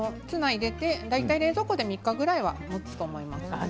冷蔵庫で３日ぐらいは、もつと思います。